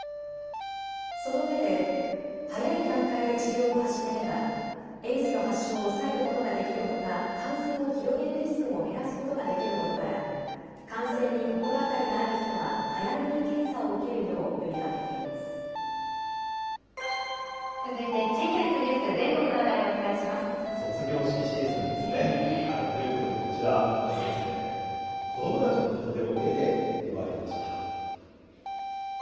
その上で、早い段階で治療を始めれば、エイズの発症を抑えることができるほか、感染を広げるリスクも減らすことができることから、感染に心当たりのある人は早めに検査を受けるよう呼びかけていま続いて地域発ニュース、全国卒業式シーズンですね。ということでこちら、まず、子どもたちの門出を絵で祝いました。